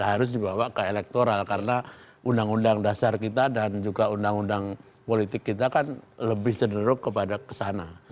harus dibawa ke elektoral karena undang undang dasar kita dan juga undang undang politik kita kan lebih cenderung kepada kesana